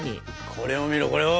これを見ろこれを。